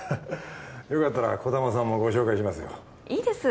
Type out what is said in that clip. よかったら児玉さんもご紹介しますよいいです